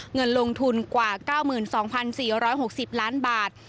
เงินลงทุนกว่า๙๒๔๖๐ล้านบาท